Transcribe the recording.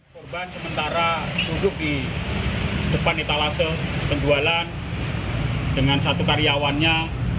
korban sementara duduk di depan etalase penjualan dengan satu karyawannya